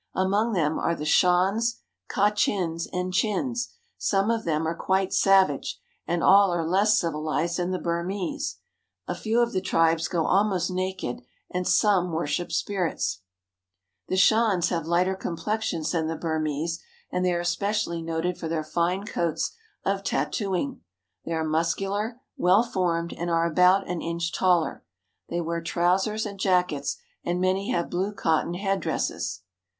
Among them are the Shans, Kachins, and Chins; some of them are quite savage, and all are less civilized than the Burmese. A few of the tribes go almost naked, and some worship spirits. Shan Women. INDUSTRIAL BURMA. RICE 23 1 The Shans have lighter complexions than the Burmese, and they are especially noted for their fine coats of tattoo ing. They are muscular, well formed, and are about an inch taller. They wear trousers and jackets, and many have blue cotton headdresses.